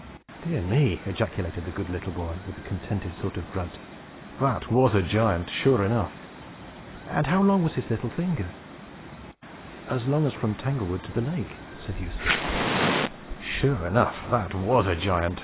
"Dear me!" ejaculated the good little boy, with a contented sort of a grunt, "that was a giant, sure enough! And how long was his little finger?" "As long as from Tanglewood to the lake," said Eustace. "Sure enough, that was a giant!"